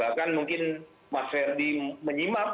bahkan mungkin mas ferdi menyimak